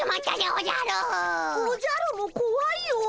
おじゃるもこわいよ。